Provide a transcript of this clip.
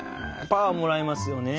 パワーもらえますよね。